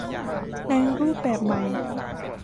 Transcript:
ในรูปแบบใหม่